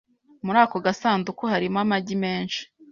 Muri ako gasanduku harimo amagi menshi.